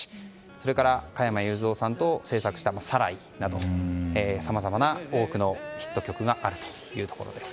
それから加山雄三さんと制作した「サライ」などさまざまな多くのヒット曲があるというところです。